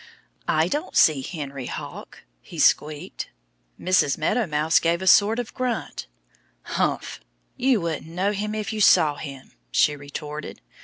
"I don't see Henry Hawk," he squeaked. Mrs. Meadow Mouse gave a sort of grunt. "Humph! You wouldn't know him if you saw him," she retorted.